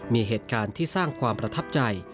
มีเหตุการณ์ที่สร้างความประทับใจ